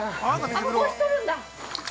あっ、もう、帽子取るんだ。